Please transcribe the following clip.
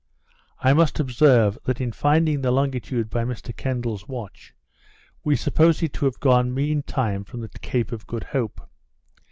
I must observe, that in finding the longitude by Mr Kendal's watch, we suppose it to have gone mean time from the Cape of Good Hope.